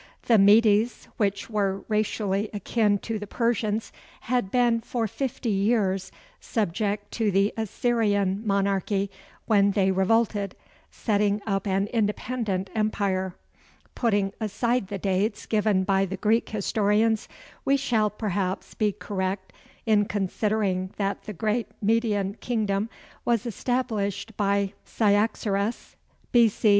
The Medes, which were racially akin to the Persians, had been for fifty years subject to the Assyrian monarchy when they revolted, setting up an independent empire. Putting aside the dates given by the Greek historians, we shall perhaps be correct in considering that the great Median kingdom was established by Cyaxares, B.C.